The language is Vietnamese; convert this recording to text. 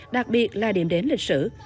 đặc biệt là điểm đến lịch sử